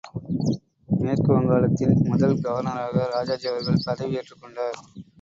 மேற்கு வங்காளத்தின் முதல் கவர்னராக ராஜாஜி அவர்கள் பதவி ஏற்றுக்கொண்டார்.